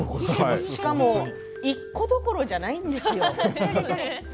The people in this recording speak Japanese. しかも１個どころじゃないんですよ。